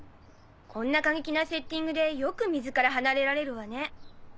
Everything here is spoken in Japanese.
こんな過激なセッティングでよく水から離れられるわね。